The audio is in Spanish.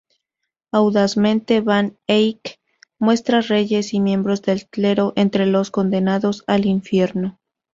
Audazmente, van Eyck muestra reyes y miembros del clero entre los condenados al infierno.